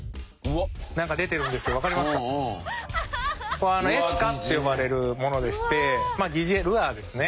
これエスカって呼ばれるものでして疑似餌ルアーですね。